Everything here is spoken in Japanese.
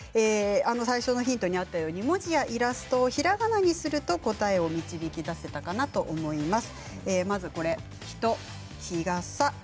最初のヒントにあったように文字やイラストをひらがなにすると答えを導き出せたかなと思います。